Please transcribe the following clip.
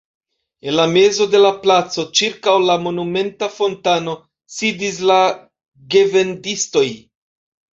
En la mezo de la placo, ĉirkaŭ la monumenta fontano, sidis la gevendistoj.